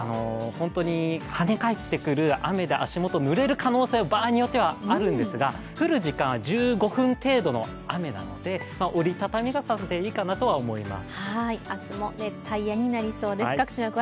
本当に跳ね返ってくる、雨で足もとがぬれる場合も場合によってはあるんですが降る時間は１５分程度の雨なので折りたたみ傘などでいいかなと思います。